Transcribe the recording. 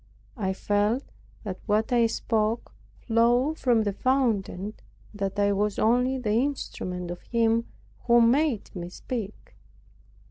I felt that what I spoke flowed from the fountain, and that I was only the instrument of Him who made me speak.